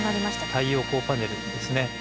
太陽光パネルですね。